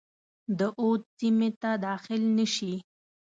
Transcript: د اود سیمي ته داخل نه شي.